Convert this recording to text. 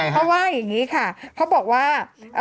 เขาว่าอย่างนี้ค่ะเขาบอกว่า